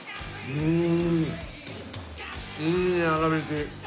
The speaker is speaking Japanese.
うん。